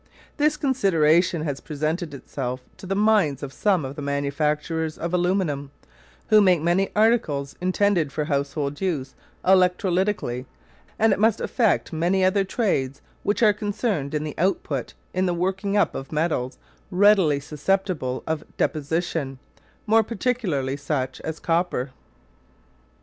This consideration has presented itself to the minds of some of the manufacturers of aluminium, who make many articles intended for household use electrolytically; and it must affect many other trades which are concerned in the output and in the working up of metals readily susceptible of deposition more particularly such as copper.